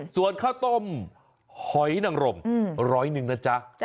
ส่วนข้าวต้มหอยนังรมร้อยหนึ่งนะจ๊ะ